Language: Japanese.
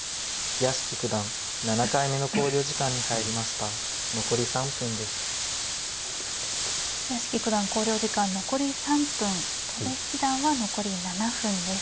屋敷九段考慮時間残り３分戸辺七段は残り７分です。